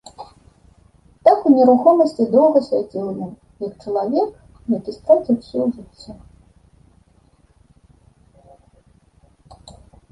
Так у нерухомасці доўга сядзеў ён, як чалавек, які страціў усё ў жыцці.